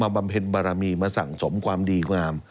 บำเพ็ญบารมีมาสั่งสมความดีความงาม